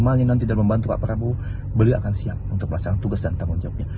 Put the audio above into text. kalau yang nanti dan membantu pak prabowo beliau akan siap untuk melaksanakan tugas dan tanggung jawabnya